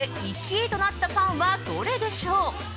中間発表で１位となったパンはどれでしょう？